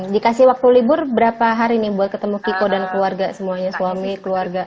dikasih waktu libur berapa hari nih buat ketemu kiko dan keluarga semuanya suami keluarga